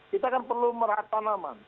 kita kan perlu merat tanaman